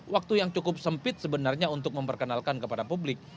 waktu yang cukup sempit sebenarnya untuk memperkenalkan kepada publik